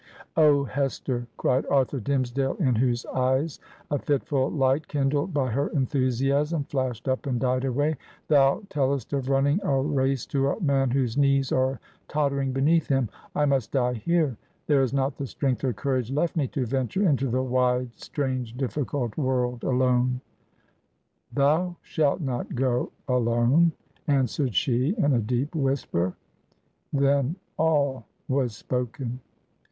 '...' O Hester !' cried Arthur Dimmesdale, in whose eyes a fitful light, kindled by her enthusiasm, flashed up and died away, 'thou tellest of running a race to a man whose knees are tottering beneath him! I must die here I There is not the strength or courage left me to venture into the wide, strange, difficult world, alone I' ... 'Thou shalt not go alone 1' answered she, in a deep whisper. Then, all was spoken."